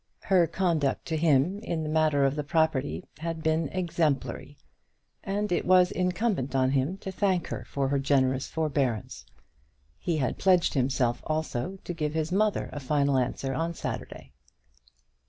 Her conduct to him in the matter of the property had been exemplary, and it was incumbent on him to thank her for her generous forbearance. He had pledged himself also to give his mother a final answer on Saturday.